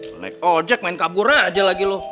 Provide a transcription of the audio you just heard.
kau naik ojek main kabur aja lagi lo